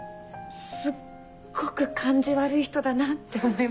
すっごく感じ悪い人だなって思いました。